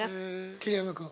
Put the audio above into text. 桐山君？